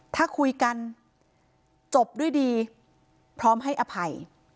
ถ้าคุยกันจบด้วยดีพร้อมให้อภัย